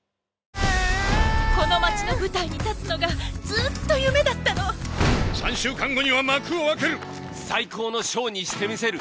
この街の舞台に立つのがずっと夢だったの３週間後には幕を開ける最高のショーにしてみせる！